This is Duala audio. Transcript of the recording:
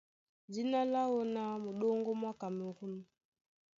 Dína láō ná Muɗóŋgó mwá Kamerûn.